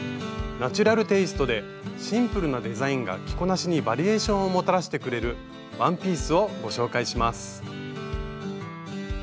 ナチュラルテイストでシンプルなデザインが着こなしにバリエーションをもたらしてくれるワンピースをご紹介します。